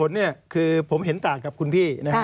เหตุผลผมเห็นต่างกับคุณพี่